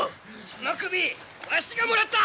その首わしがもらった！